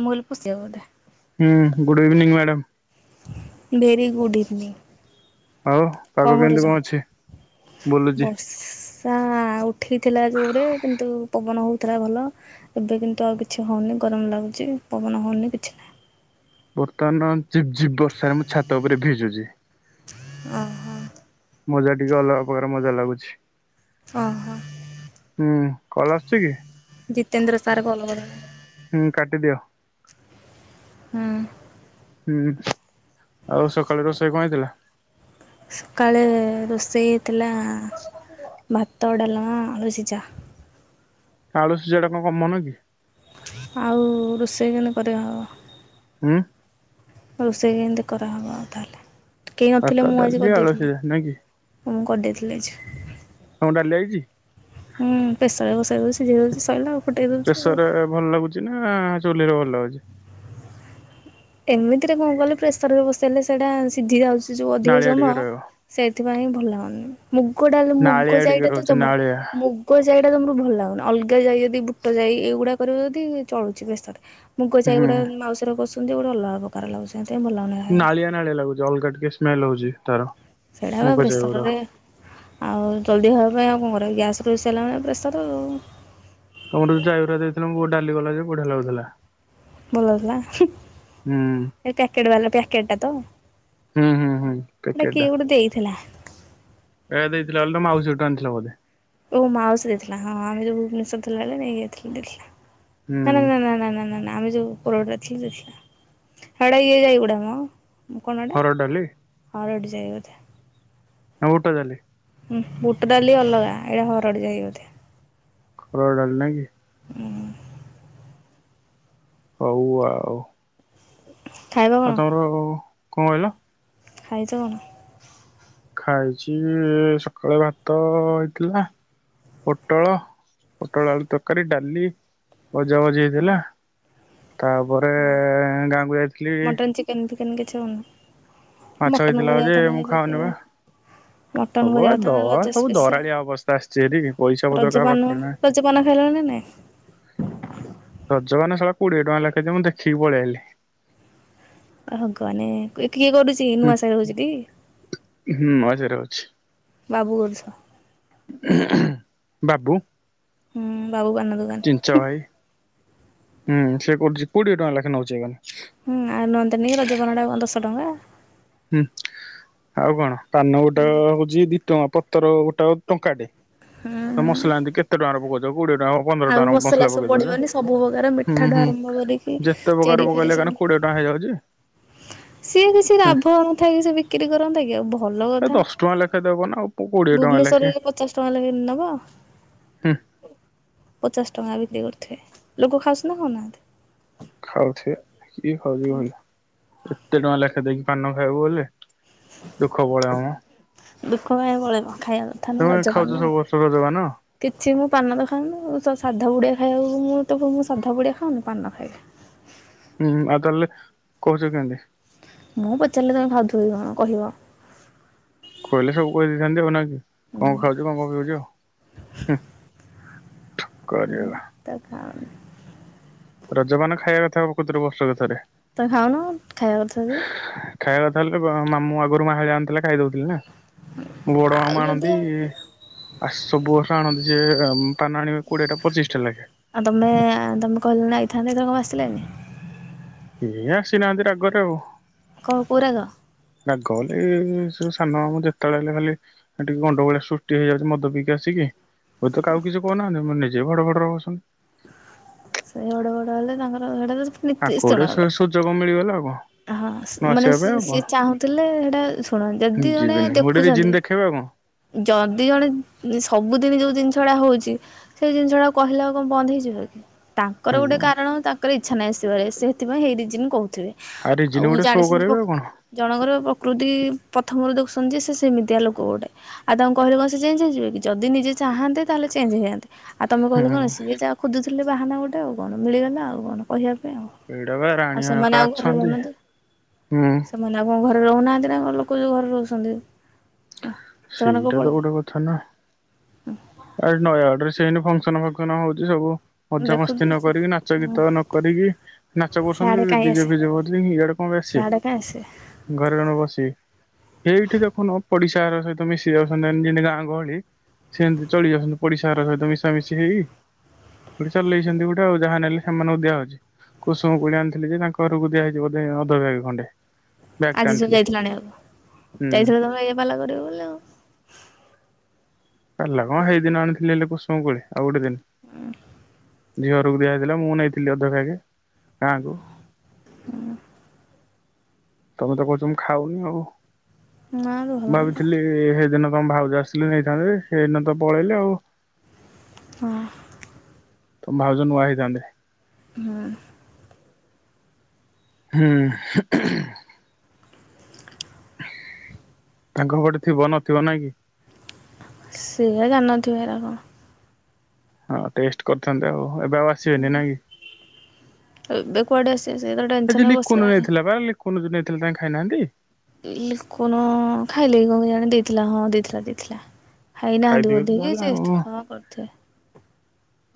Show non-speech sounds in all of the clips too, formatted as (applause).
ଆମୁଲ ପୁ ସେଉଦା ହୁଁ good evening ma'am very good evening ଆଉ ପାଗ କଣ କେମିତି କରୁଛ ଅଛି? ବୁଲୁଚି ବର୍ଷା ଉଠିଥିଲା ଯୋଉରେ କିନ୍ତୁ ପବନ ହଉଥିଲା ଭଲ ଏବେ କିନ୍ତୁ ଆଉ କିଛି ହଉନି ଗରମ ଲାଗୁଛି ପବନ ହଉନି କିଛି ନାହିଁ, ବର୍ତ୍ତମାନ ବର୍ଷାରେ ମୁଁ ଛାତ ଉପରେ ଭିଜୁଛି, ଓ ହୋ ମଜା ଟିକେ ଅଲଗା ପ୍ରକାର ମଜା ଲାଗୁଛି, ଓ ହୋ ହୁଁ କଲ ଆସଛି କି ଜିତେନ୍ଦ୍ର ସାର୍ କଲ ହୁଁ କାଟିଦିଅ ହଁ ହୁ ସକାାଳେ ଦସେ (inaudible) ଥିଲା ଭତୋଡ଼ଲ ହଁ ରୋଚଚା ଆଳୁସୀ ଯ ଟା କଣ କମନ କି ଆଉ ରୋଷେଇକ କରିବା ହବ ହଁ ରୋଷେଇକମତି କରା ହେବ ତାହହାଲେ ହାତଦଲି ଆଳସଦ ନା କି ମୁଁଁ କରିଦେଇଥିଲି ଯେ ହଉଁ ଡାଲିି ଆଇଛି ହୁଁ ପ୍ରେଶରରେ ବସେଇଚି, ସିଜିଗଲେ ତ ସରିଲା ଆଉ। ଫୁଟେଇ ଦେଉଛି ଆଉ। ପ୍ରେସର୍ ରେ ଭଲ ଲାଗୁଚି ନା? ହଁ ଚୁଲିର ଭଲ ଲାଗୁଛି। ଏମିତିରେ କଣ କହିଲେ, ପ୍ରେସରରେ ବସେଇଲେ ସେଇଟା ସିଜି ଯାଉଚି। ସେ ଯେଉଁ ଅଧିକ ନାଳିଆ ଟିକେ ସମୟ ରହିବ ସେଇଥିପାଇଁଁ ଭଲ ଲାଗୁନି। ମୁଗଡାଲି ମୁଗ ନାଳିଆ ଟିକେ ଜାଇଟା ତ ରହୁଚି ଯମାର ନାଳିଆ ମୁଗ ଜାଇଟା ତମର ଭଲ। ଲାଗୁନି, ଅଲଗା ଯାଇ ଯଦି ବୁଟ ଯାଇ ଏଇଗୁଡାକର ଯଦି ଚଳୁଛି ପ୍ରେସର୍ ରେ। ମୁଗ ହୁଁ। ଯାଇଗୁଡା ମାଉସର ବସ କେମତି ଗୋଟେ ଅଲଗା ପ୍ରକାର ଲାଗୁଚି। ନାଳିଆ ନାଳିଆ ଲାଗୁଚି, ଅଲଗା ଟିକେ ସ୍ମେଲ ହଉଚି। ତାର ସେଇଟା ବା ମୁଗ ଜାଇ ଗୁଡା। ପ୍ରେସରରେ ଆଉ ଜଲଦି ହଏ। ହଁ ଆଉ କଣ କରିବା, ଗ୍ୟାସ ତ ହେଇ ସାରିଲାଣି ପ୍ରେସରରେ ଆଉ। ତମର ଯୋଉ ଜାଇଗୁଡ଼ାକ ଦେଇଥିଲ, ବୋଉ ଡାଲି କଲା ଯେ ବଢିଆ ଲାଗୁଥିଲା। ଭଲ ଲାଗୁଥିଲା, ହୁଁ ହୁଁ ଏଇ ପ୍ୟାକେଟ ବାଲା ପ୍ୟାକେଟ ଟା ତ, ହୁଁ ହୁଁ ହୁଁ ହେଟା କିଏ ଗୋଟେ ଦେଇଥିଲା। ଏଆ ଦେଇଥିଲା ବଇଲେ, ତମେ ମାଉସି ଘରଠୁ ଆଣିଥିଲ ବୋଧେ। ଓ ମାଉସୀ ଦେଇଥିଲା, ହଁ ହଁ ଏଇ ଯଉ ଭୁବନେଶ୍ୱର ଥିଲା ବେଳେ ନେଇ ଯାଇଥିଲୁ ଦେଇଥିଲା। ହୁଁ। ହେଲୋ ନା ନା ନା ନା। ଆମେ ଯୋଉ ଉପରଟା ଥିଲୁ ହେଟା ଇଏ ଯାଇଗୁଡାକ ମ। କଣଟା ହରଡ଼ ଡାଲି ଏଟା ହରଡି। ଜୟ ବଧେ। ନା ବୁଟଡ଼ାଲି? ହୁଁ ବୁଟ ଡାଲି ଅଲଗା, ଏଇଟା ହରଡି ଯାଇ ବୋଧେ, ହରଡଡାଲି ନାଁଇ କି? ହୁଁ। ହଉ ଆଉ। ଖାଇବ ଆଉ ତମର ଆଉ କଣ କହିଲ? ଖାଇଚ କଣ? ଖାଇଚି, ସକାଳେ ଭାତ ହେଇଥିଲା ପୋଟଳ, ପୋଟଳ ଆଳୁ ତରକାରୀ, ଡାଲି। ଭଜା ଭଜି ହେଇଥିଲା? ତାପରେ ଗାଁକୁ ଯାଇଥିଲି ମଟନ୍ ଚିକେନ୍ କିଛି ହଉନି? ମାଛ ମଟନ୍ ହେଇଥିଲା କରିବା ଯେ, କଥା ମୁଁ ନେଇକି ଯାଇକି ଖାଉନି ବା। ମଟନ୍ କରିବା ସବୁବେଳେ କଥା ନା ଦଳ ରଜ ସବୁ ସ୍ପେଶାଲ। ଦରାଳିଆ ଅବସ୍ଥା ଆସିଚି ହାରି, ପଇସା ପତର କାହା ରଜପାନ ପାଖରେ ନାହିଁ। ରଜପାନ ଖାଇଲଣି ନା ନାଇଁ? ରଜପାନ ଶଳା କୋଡିଏ ଟଙ୍କା ଲେଖା ଯେ, ମୁଁ ଦେଖିକି ପଳେଇ ଆଇଲି। ହେ ଭଗବାନେ, କୋଇ କିଏ କରୁଛି, ହୁଁ ନୂଆ ସାର ହଉଛି ଟି? ହୁଁ ମଝିରେ ଅଛି ବାବୁ ବୋଲୁଛନ୍। ବାବୁ ହୁଁ। ବାବୁ ପାନ ଚିଞ୍ଚ ଦୋକାନୀ। ଭାଇ ହୁଁ। ସେ କରୁଛି, କୋଡିଏ ଟଙ୍କା ଲେଖେଁ ନଉଛି (unintelligible) ହୁଁ, ଆ ନଅନ୍ତାନି କି ରଜପାନଟା କଅଁ ଦଶ ଟଙ୍କା? ହୁଁ, ଆଉ କଣ ପାନ ହୁଁ। ଗୋଟାକ ହଉଛି ଦି ଟଙ୍କା, ପତର ଗୋଟାକ ଟଙ୍କାଟେ ତ ହୁଁ ମସଲା ଏନ୍ତି କେତେ ଟଙ୍କାରେ ପକଉଛି- କୋଡିଏ ଟଙ୍କା ପନ୍ଦର ଆଉ ଟଙ୍କା ମସଲା ସବୁ ପକେଇ ଦଉଛ ପଡ଼ିବନି ସବୁ ପ୍ରକାର ହୁଁ ମିଠାଠୁ ହୁଁ ଆରମ୍ଭ କରିକି ଯେତେ ଚେରି ପକାର ଫେରି ପକେଇଲେ ସବୁ କାଁକ କୋଡିଏ ଟଙ୍କା ହେଇଯାଉଛି- ସିଏ କିଛି ହୁଁ ଲାଭ ନଥାଏ କି ସେ ବିକ୍ରି କରନ୍ତା କି ଆଉ ବହୁତ- ଭଲ ଏ କଥା ଦଶ ଟଙ୍କା ଲେଖା ଦବ ନା ଆଉ କୋଡିଏ ଟଙ୍କା ଲେଖେ ଭୁବନେଶ୍ଵରରେ ପଚାଶ ଟଙ୍କା ଲୋଗ ନବ ହୁଁ ପଚାଶ ଟଙ୍କା ବିକ୍ରି କରୁ- ଲୋକ ଖାସ ନା ନାହାନ୍ତି- ଖାଉଛ କି ଖାଉଛି ଭିଲ- ଏତେ ଟଙ୍କା ଲେଖା ଦେଖି ପାନ ନ ଖାଇବୁ ହେଲେ- ଦୁଃଖ ପାଇଁ ପଳେଇବା ଖାଇବା କଥା ନ ତମେ ରଜ ଖାଉଛ ପାନ ସବୁ ବର୍ଷ ରଜପାନ? କିଛି ମୁଁ ପାନ ଦେଖାନି ସାଧା ପୁଡ଼ିଆ- ଖାଇ ଆକୁ ମୁଁ ତ ମୁଁ ସାଧା ପୁଡ଼ିଆ ଖାଉନି ପାନ ଖାଇକ- ହୁଁ ତା ହେଲେ କହୁଛ କେମିନ୍ତି- ମୁଁ ପଚାରିଲେ ତମେ ଖାଉଥିବ କି କଣ କହିବ- କହିଲେ ସବୁ କହିଦେଇଥାନ୍ତି ଆଉ ନା କି କଣ ହୁଁ ଖାଉଛ କଣ କଣ ପିଉଛ ମୁଁ କରିବା ତ କାଉ- ରଜ ପାନ ଖାଇବା କଥା ପ୍ରକୃତରେ ବର୍ଷକୁ ଥରେ- ତ ଖାଉନ ଖାଇବା କଥା ଯଦି- ଖାଇବା କଥା ହେଲେ ମା ମୁଁ ଆଗରୁ ମାହା ଯାଣି ଥିଲା ଖାଇଦେଉ ଥିଲି ନା- ବଡ ଆଉ ମାମ ଯଦି ଆଣନ୍ତି ଆଉ ଆ ସବୁ ବର୍ଷରେ ଆଣନ୍ତି- ଯେ ପାନ ଆଣିବେ କୋଡିଏ ଟା ପଚିଶ ଟା ଲେଖା- ଆଉ ତମେ, ତମେ କହିଲନି ଆଇଥାନ୍ତେ, ଏଥର କମ ପାଇଁ ଆସିଲାନି? ଏଇ ଆସିନାହାଁନ୍ତି ରାଗରେ ଆଉ। କହୁ କହୁ ରାଗ? ରାଗ ହେଲେ ଏ ସେ ସାନମାମୁଁ ଯେତେବେଳେ ଆଇଲେ ଖାଲି ଟିକେ ଗଣ୍ଡଗୋଳିଆ ସୃଷ୍ଟି ହେଇଯାଉଛି ମଦ ପିଇକି ଆସିକି, ହୁଏତ କାହାକୁ କିଛି କହୁନାହାଁନ୍ତି, ନିଜେ ଭଡ ଭଡ଼ର ହଉଛନ୍ତି। ସେ ଭଡ଼ ଭଡ ହେଲେ ତାଙ୍କର ସେଇଟା ତ ସେ ଆକୁ ଗୋଟେ ସୁ-ସୁଯୋଗ ମିଳିଗଲା ଆଉ କଣ। ହଁ ନ ମାନେ ଆସିବା ପାଇଁ ଆଉ କଣ ସି-ସିଏ ଚାହୁଁଥିଲେ ସେଇଟା ଶୁଣ, ଯଦି ଜଣେ ଯିବେନି ଗୋଟେ ରିଜିନ ଦେଖୁଛନ୍ତି, ଦେଖେଇବେ ଆଉ କଣ ଯଦି ଜଣେ ସବୁଦିନି ଯୋଉ ଜିନିଷ ଷଡା ହଉଛି, ସେଇ ଜିନିଷ ଗୁଡା କହିଲେ ଆଉ କଣ ବନ୍ଦ ହେଇଯିବ କି? ତାଙ୍କର ଗୋଟେ ହୁଁ। କାରଣ, ତାଙ୍କର ଇ ଚ୍ଛା ନାହିଁ ଆସିିବାରେ, ସେଇଥିପାଇଁ ଏହି ରିଜିନ୍ କହୁଥିବେ। ରିଜିନ ଆଉ ଗୋଟେ ଶୋ ଜାଣେ ସେମତି କରେଇବେ ଆଉ କଣ ଜଣଙ୍କର ପ୍ରକୃତି ପ୍ରଥମରୁ ଦେଖୁଛନ୍ତି ଯେ ସେମିତିଆ ଲୋକ ଗୋଟେ ଆଉ ତାଙ୍କୁ କହିଲେ କଣ ସେେଞ୍ଜ ହେଯିବ କି ଯଦି ନିଜେ ଚାହାତେ ତାହେଲେ ଚେଞ୍ଜହେଯାଆନ୍ତେ। ଆଉ ତମେ କହିଲେ କଣ ହୁଁ ସିଏ ଯାହା ଖୋଜୁଥିଲେ ବାହାନା ଗୋଟେଉ କଣ ମିଳିଗଲେ ଆଉ କଣ କହିବା ପାଇଁ ଆଉ ଏଡ ଭ ଆଉ ରାଣି ହେ ସେମାନେ କା ଆଉ ସେମାନେ ଆଉ କଣ ଘ ରହୁନାହାନ୍ତି ନା ଲୋକ ଯୋଉ ଘରେ ରହୁଛନ୍ତି। ହଁ ସେମାନେ କ'ଣ ସେଇଟା ତ ପଳେଇବେ ଗୋଟେ କଥା ନା। ଆ ନୟା ଆଡରେ ସେଇନ ଫକ୍ସନ ନ ଫଙ୍କସନ ହଉଛି ସବୁ। ମଜାମସ୍ତି ଦେଖୁଛୁ ନ କରିକି ନାଚ ଗୀତ ନ କରିକି ନାଚ କରୁଛନ୍ତି ଡିଜେ ଫିଜେ କରୁ ଇଆଡେ କଣ ବସେ ସିଆଡ଼େ କାଇଁ ସେ ଘରେ ଜଣେ ବସି ଏଇଠି ଦେଖନ ପଡି ତାର ସହିତ ମିଶି ଯାଉଛନ୍ତି ଯେମିତି ଗାଁ ଗହଳି ସେମତି ଚଳି ଯାଉଛନ୍ତି ପଡିଶା ଘର ସହିତ ମିଶାମିଶି ହେଇ ଗଟେ ଚଲେଇଛନ୍ତି ଗୋଟେ ଆଉ ଯାହା ନେଲେ ସେମାନଙ୍କୁ ଦିଆହଉଛି କୁସୁମ କୋଳି ଆଣିଥିଲି ଯେ ତାଙ୍କ ଘରକୁ ଦିଆହେଇଛି ଅଧବେଗ ଖଣ୍ଡେ। ବ୍ୟାଗ ଟେ ଆଜି ସବୁ ଆଣିଥିଲି ଯାଇଥିଲାଣି ଆଉ ହୁଁ। ଯାଇବ ତମେ ଏଇ ପାଲା କରିବ ବୋଲି ଆଉ। ପାଲା କଣ ସେଇଦିନ ଆଣିଥିଲେ ପୋ କଣ ଆଉ ଗୋଟେ ଦିନ। (inaudible) ଝିଅ ରକୁ ଦିଆହଇଥିଲା ମୁଁ ନେଇଥିଲି ଅଧବାଗ ଗାଁ କୁ ହୁଁ। ତମେ ତ କହୁଛ ଖାଉନି ଆଉ। ନା ତ ଭଲ ନୁହଁ ଭାବିଥିଲି ହେଦିନ ତମ ଭାଉଜ ଆସିଥିଲି ନେଇଥାନ୍ତେ ସେଇନା ତ ପଳେଇଲେ ଆଉ। ହଁ। ତମ ଭାଉଜ ନୂଆ ହେଇଥାନ୍ତେ। ହୁଁ। ହୁଁ। ତାଙ୍କପଟେ ଥିବ ନଥିବ ନାଇଁ କି। ସେଇଆ ଜାଣଥିବ ଏରାକ। ହଁ ଟେଷ୍ଟ କରିଥାନ୍ତେ ଆଉ। ଏବେ ଆଉ ଆସିବେନି ନାଇଁ ଏବେ କୁଆଡ଼େ ସେ ସେ ତ କି ଟେନସନରେ (inaudible) ଲିଖନୁ ବସିଲାଣି। ନେଇଥିଲା ବା ଲିଖୁନ ଏତେ ଲାଣି ଖାଇନାହାନ୍ତି। କଣ ଖାଇଲେ କଣ ଜାଣ ଦେଇଥିଲା ହଁ ଦେଇଥିଲା ଦେଇଥିଲା। ଖାଇନାହାନ୍ତି ଖାଇଥିବେ ତ ବୋଧକି ତାହେଲେ ଆଉ କରିଥା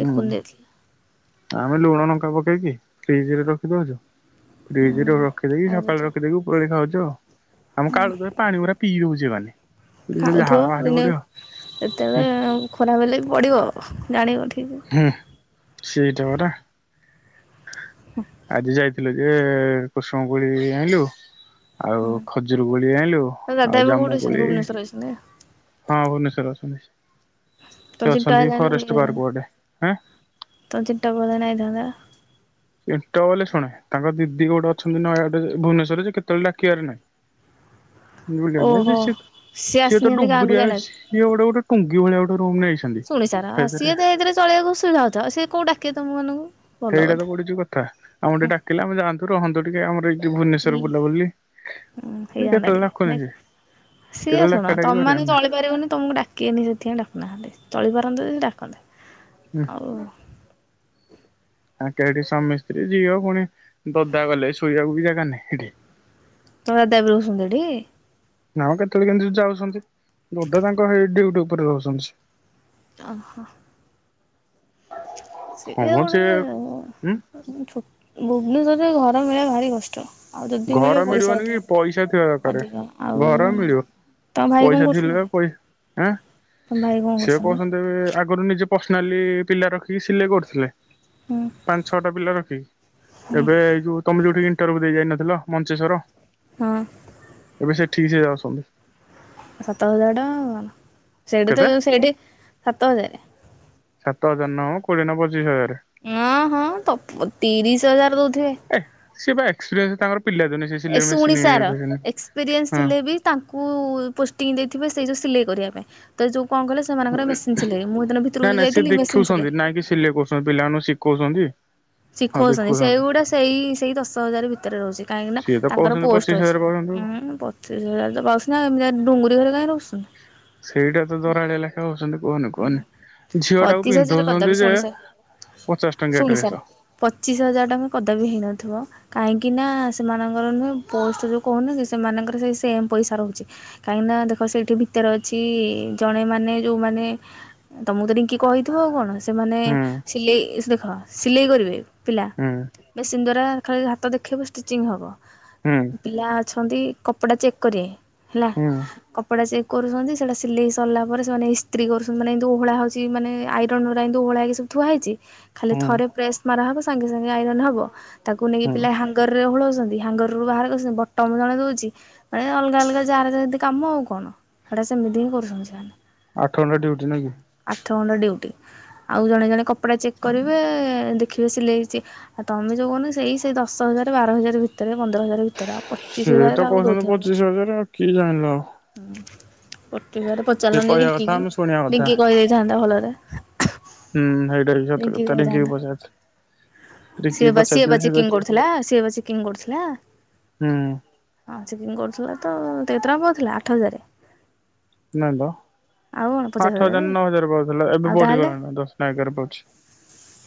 ହୁଁ। ଲିକୁନ ଦେଇଥିଲା। ଆମେ ଲୁଣ ଲଙ୍କା ପକେଇକି ଫ୍ରିଜ ରେ ରଖିଦଉଛୁ। ଫ୍ରିଜରେ ହୁଁ। ରଖଦେଇି ଖାଇ ସକାଳେ ଦେଇଥିବ ରଖିଦକି ଉପର ପରଳି ଖାଉଛୁ। ଞ୍ଚ ଆମ କାଳୁ ଦରେ ପାଣି ପୁରା ପିଇ ଦଉଚି। ମାନେ ଝାଳ ଖାଉଥିବ, ବାହାରି ଦିନେ ପଡିବ ହୁଁ ସେତେବେଳେ ଖରାପ ହେଲେ ବି ପଡିବ ଜାଣିବ ଠିକ୍। ହୁଁ, ସେଇଟା ପରା। ଆଜି ଯାଇଥି ଥିଲୁ ଯେ, କୁସୁମ କୋଳି ଆଇଁଲୁ ଆଉ ହୁଁ ଖଜୁରୁ କୋଳି ଆଇଁଲୁ ତ ଦାଦା ଆଉ ଏବେ ଜାମୁ କୋଉଠି ଅଛନ୍ତି କୋଳି, ଭୁବନେଶ୍ୱରରେ ଅଛନ୍ତି ହଁ ଭୁବନେଶ୍ଵର। (unintelligible) ସେ ଅଛନ୍ତି ଫରେଷ୍ଟ ପାର୍କ ଗୋଟେ ତ (unintelligible) ଆ ସେଟ ବଲେ ଶୁଣେ ତାଙ୍କ ଦିଦି ଗୋଟେ ଅଛନ୍ତି ନୟାଗଡ଼ରେ ଯେ ଭୁବନେଶ୍ୱରରେ ଯେ କେତେବେଳେ ଡାକିବାରେ ନାହିଁ। ବୁଲିବା ପାଇଁ ଯେ ଓହୋ ସେ ସିଏ ତ ଆସିନାହାଁନ୍ତି ଗାଁକୁ ଡୁବୁରିଆ ଯାଇନାହାଁନ୍ତି ସିଏ ଗୋଟେ ଗୋଟେ ଟୁଙ୍ଗି ଭଳିଆ ଗୋଟେ ରୁମ୍ ନେଇଛନ୍ତି। ଶୁଣି ସାର ସେଇଥିରେ ସିଏ ତ ଏଇଥିରେ ଚଳେଇବାକୁ ଅସୁବିଧା ହଉଥିବ ଆଉ ସିଏ କୋଉ ଡାକିବେ ତମମାନଙ୍କୁ। ସେଇଟା ତ ପଡୁଚି କଥା ଆମକୁ ଟିକେ ଡାକିଲେ ଆମେ ଯାଆନ୍ତୁ ରହନ୍ତୁ ଟିକେ ଆମର ଭୁବନେଶ୍ୱର ବୁଲାବୁଲି ହଁ ହେଇଯାନ୍ତା କେତେବେଳେ ଡାକୁନି ଟିକେ ଯେ ସିଏ କେତେବେଳେ ଡାକା ଶୁଣ ଡାକି କରିବାର ତମେମାନେ ନା ଚଳି ପାରିବନି ତମକୁ ଡାକିବେନି ସେଥିପାଇଁ ଡାକୁନାହାଁନ୍ତି ଚଳିପାର ପରନ୍ତ ଯଦି ଡାକନ୍ତା। ଆଉ ଆଙ୍କେ ଏଠି ସ୍ୱାମୀ ସ୍ତ୍ରୀ ଝିଅ ପୁଣି ଦଦା ଗଲେ ଶୋଇବାକୁ ବି ଜାଗା ନାହିଁ ସେଠି। ତମ ଦାଦା ବି ରହୁଛନ୍ତି ସେଠି? ନାମ କେତେବେଳେ କେମିତି ଯାଉଛନ୍ତି ବୋଧେ ତାଙ୍କ ହେଇ ଡ୍ୟୁଟି ଉପରେ ରହୁଛନ୍ତି। ଓହୋ। ହଁ ସେୟା ମ ଗୋଟେ ସେ ହୁଁ ଛୋ ଭୁବନେଶ୍ୱରରେ ଘର ମିଳିଆ ଭାରି କଷ୍ଟ। ଆଉ ଯଦି ମିଳିବ ଘର ପଇସା ମିଳିବନି କି ଅଧିକ ପଇସା ଥିବା ଦରକାର ଅଧିକ ଆଉ ଘର ମିଳିବ ତମ ଭାଇ କଣ ପଇସା ଥିଲେ କରୁଛନ୍ତି? ବା ଆଁ ତମ ଭାଇ କଣ ସେ କରୁଛନ୍ତି? ପର୍ଯ୍ୟନ୍ତ ବି ଆଗରୁ ନିଜେ ପର୍ସନାଲି ପିଲା ରଖିକି ସିଲେଇ କରୁଥିଲେ। ହୁଁ ପାଞ୍ଚ ଛଅଟା ପିଲା ରଖି ଏବେ ଏଇ ଯୋଉ ତମେ ଯୋଉଠି ଇଣ୍ଟରଭ୍ୟୁ ଦେଇ ଯାଇନ ଥିଲ ମଞ୍ଚେଶ୍ଵର ହଁ। ଏବେ ସେଠିକି ସେ ଯାଉସନ୍ତି। ସାତ ହଜାର ଟଙ୍କା ଆଉ କଣ। ସେଇଠି ତ କେତେ ସେଇଠି ସାତ ହଜାରେ ଚିଶ ହଜାର। ଅଁ ହଁ ତ ତିରିଶ ହଜାର ଦଉ (unintelligible) ସେ ବା ଏକ୍ସପ୍ରେନ୍ସ ତାଙ୍କର ପିଲା ଦିନୁ ସେ ଏ ସିଲେଇ ଶୁଣି ମେସିନ ସାର ହଁ ନାଇଁ ଏକ୍ସପିରିଏନ୍ସ ଥିଲେ, ବି ତାଙ୍କୁ ପୋଷ୍ଟି ଦେଇଥିବେ ସେ ଯଉ ସିଲେଇ କରିବା ପାଇଁ ତ ଯୋଉ କଣ କଲେ ସେମାନଙ୍କର ନାଇଁ, ମେସିନ୍ ସିଲେଇ ମୁଁ ସେଦିନ ଭିତରକୁ ଯୋଉ ନାଇଁ ସେ ଯାଇଥିଲି ମେସିନ୍ ସିଲେଇ ଦେଖୁଛନ୍ତି, ନାଇଁ କି ସିଲେଇ କରୁଛନ୍ତି, ପିଲାମାନଙ୍କୁ ଶିଖଉଛନ୍ତି। ହଁ ଶିଖଉଛନ୍ତି, ଦେଖୁଛନ୍ତି। ସେଇଗୁଟା ସେଇ ସେଇ ଦଶ ହଜାର ଭିତରେ ରହୁଛି, କାହିଁକି ନା ସିଏ ତ ତାଙ୍କର କହୁଛନ୍ତି ପଚିଶ ପୋଷ୍ଟ ଅଛି ହଜାର ପାଉଛନ୍ତି ଉଁ ପଚିଶ ହଜାର ତ ପାଉଛନ୍ତି, ଏମିତି ଡୁଙ୍ଗୁ ଘରେ କାଇଁ ରହୁ ସେଇଟା ତ ଦରାଳି ଲେଖା ହଉଛନ୍ତି। କୁହନି ହଁ, କୁହନି। ଝିଅ ଟାକୁ ପଚିଶ ହଜାର ପିନ୍ଧଉଛନ୍ତି କଦାପି ଯେ ଶୁଣି ସାର, ପଚାଶ ଟଙ୍କିଆ ଶୁଣି ଡ୍ରେସ ସାର ପଚିଶ ହଜାର ଟଙ୍କା କଦାପି ହେଇନଥିବ। କାହିଁକିନା ସେମାନଙ୍କର ନୁହେଁ ପୋଷ୍ଟ ଯେଉଁ କହୁନ ସେମାନଙ୍କର ସେଇ ସେମ୍ ପଇସା ରହୁଛି, କାହିଁକି ନା ଦେଖ ସେଇଠି ଭିତରେ ଅଛି, ଜଣେମାନେ ଯୋଉ ମାନେ ତମକୁ ତ ରିଙ୍କି କହିଥିବ ଆଉ କଣ। ସେମାନେ ହୁଁ ସିଲେଇ ଦେଖ ସିଲେଇ କରିବେ। ପିଲା ହୁଁ। ମେସିନ ଦ୍ଵାରା ଖାଲି ହାତ ଦେଖେଇବ ଷ୍ଟିଚିଂ ହେବ। ହୁଁ ପିଲା ଅଛନ୍ତି, କପଡ଼ା ଚେକ୍ କରିବେ। ହେଲା ହୁଁ କପଡ଼ା ଚେ କରୁଛନ୍ତି, ସେଇଟା ସିଲେଇ ସରିଲା ପରେ ସେମାନେ ଇସ୍ତ୍ରୀ କରୁ ମାନେ ଏମିତି ଓହଳା ହଉଛି, ମାନେ ଆଇରନ ଉରା ଏମିତି ଓହଳା ହେଇକି ସବୁ ଥୁଆ ହେଇଛି, ଖାଲି ହୁଁ ଥରେ ପ୍ରେସ ମରା ହବ, ସାଙ୍ଗେ ସାଙ୍ଗେ ଆଇରନ୍ ହବ। ତାକୁ ନେଇକି ହୁଁ ପିଲା ହାଙ୍ଗ ରେ ଓ, ହାଙ୍ଗର ରୁ ବାହାର କରଛନ୍ତି, ବଟମ ଜଣେ ଦଉଛି, ମାନେ ଅଲଗା ଅଲଗା ଯାହାର ଯେମିତି କାମ ଆଉ କଣ ହେଟା ସେମିତି ହିଁ କରୁଛନ୍ତି, ସେମାନେ। ଆଠ ଘଣ୍ଟା ଡ୍ୟୁଟି ନାଇଁ କି? ଆଠ ଘଣ୍ଟା ଡ୍ୟୁଟି। ଆଉ ଜଣେ ଜଣେ କପଡା ଚେକ୍ କରିବେ, ଦେଖିବେ, ସିଲେଇ ହେଇଚି, ଆଉ ତମେ ଯୋଉ କହୁନ ସେଇ ସେଇ ଦଶ ହଜାର, ବାର ହଜାର ଭିତରେ, ପନ୍ଦର ହଜାର ଭିତରେ ଆଉ ପଚିଶ ସିଏ ହଜାର ତ କାହାକୁ କହୁଛନ୍ତି, ଦଉଥିବ ମ। ପଚିଶ ହଜାର ଆଉ କିଏ ଜାଣିଲା। ଅ ପଚିଶି ହଜାରେ ପଚାରିଲନି ରିଙ୍କି କି। ଶୁଣିବା କଥା ରିଙ୍କି କହି ଦେଇେଇଥାନ୍ତା ଭଲରେ। ହୁଁ ହେଇଟା ବି ସତ ରିଙ୍କି କଥା କୁ କହିଥାନ୍ତା, ପଚାରିଥିଲି। ରିଙ୍କି ସିଏ କି ବା ପଚାରିଥିଲି ସେ ଚେକିଂ କହି କରୁଥିଲା ସିଏ ବା ଚେକିଙ୍ଗ କରୁଥିଲା, ହୁଁ ଅ ଚେକିଙ୍ଗ କରୁଥିଲା ତ ସେ କେତେ ଟଙ୍କା ପାଉଥିଲା, ଆଠ ହଜାରେ। ନାଇଁ ତ ଆଠ ହଜାର, ନଅ ହଜାର ପାଉଥିଲା, ଏବେ ଆଉ ତାହେଲେ ବଢିଗଲାଣି ଦଶ ନା ଏଗାର ପାଉଚି।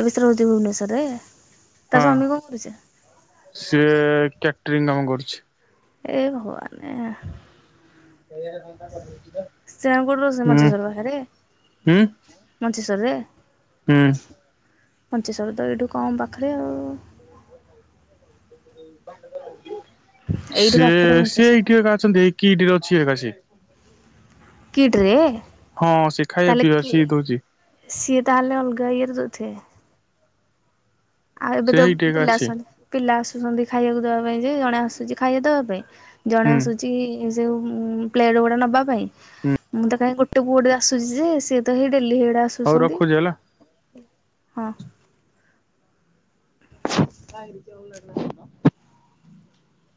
ଏବେ ସେ ରହୁଛି ଭୁବନେଶ୍ୱର ରେ ତା ହଁ। ସ୍ମୀ କଣ କରୁଛି? ଛି (inaudible) ଏଇ ଭ ଆାନ ସେଇଆ କଟା କର (inaudible) ସେହଁଗଡ଼ଡରୁ ସେ ମଞ୍ଚେଶ୍ଵର ପାଖରେ ହୁଁ ମଞ୍ଚେଶ୍ରରେ (inaudible) ହୁଁ। ମଞ୍ଚେସ୍ଵର ତ ଏଇଠୁ କମ୍ ପାଖରେ ଆଉ ଛି (inaudible) ଏଇଠୁ ପାଖରେ ସିଏ ସେିଏ ମଞ୍ଚେଶ୍ଵର ଏଇଠି ଏକ ଏକା ଅଛନ୍ତି ଏଇ କିି ଏଇଠିରେ ଅଛି ଏକା ସେ କିଟରେ ହଁ ସେ (inaudible) ଖାଇବା ତାହେଲ ପିଇବା ସିଏ ଦଉଛି କିସିଏ ତାହଲେ ଅଲଗାଈଏରେ ଜଦି ଠେ (inaudible) ଆଉ ଏବେ ସେ ତ ଏଇଠି ଏକା ପିଲା ଅଛି ଆସନ୍ତି ପିଲା ଆସୁଛନ୍ତି ଖାଇବାକୁ ବା ପାଇଁ ଯେ ଜଣେ ଆସୁଛି ଖାଇବା ଦେବା ପାଇଁ ଜଣେ ହୁଁ ଆସୁଛି, ଯଉ ପ୍ଲେଟ ଗୁଡା ନବା ପାଇଁ ହୁଁ ମୁଁ ତ କାଇଁ ଗୋଟେ ପୁଅଟେ ଆସୁଛି ଯେ ସ ତଇ ଡେଲି ହିଆଡେ ହଉ ଆସୁଛନ୍ତି। ରଖୁଛି ହେଲା। (inaudible)